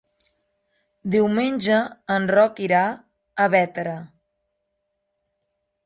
Diumenge en Roc irà a Bétera.